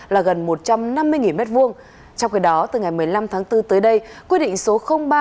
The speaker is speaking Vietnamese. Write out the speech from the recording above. là gần một trăm năm mươi nghìn mét vuông trong khi đó từ ngày một mươi năm tháng bốn tới đây quy định số ba